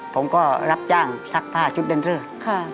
ผมก็รับจ้างซักผ้าชุดเดนเรอร์